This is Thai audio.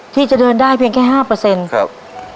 ที่จะเดินได้เพียงแค่ห้าเปอร์เซ็นต์ครับ